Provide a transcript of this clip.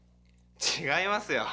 違いますよ。